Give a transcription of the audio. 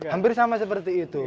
hampir sama seperti itu